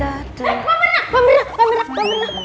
eh pamerna pamerna pamerna